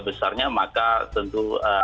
besarnya maka tentu